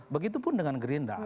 begitupun dengan gerindra